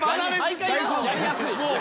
やりやすい。